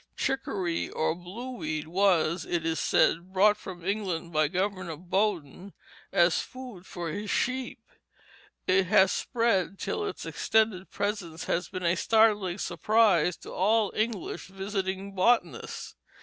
Chicory or blue weed was, it is said, brought from England by Governor Bowdoin as food for his sheep. It has spread till its extended presence has been a startling surprise to all English visiting botanists.